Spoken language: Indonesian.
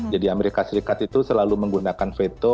jadi amerika serikat itu selalu menggunakan veto